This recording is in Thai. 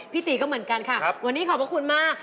ตีก็เหมือนกันค่ะวันนี้ขอบพระคุณมาก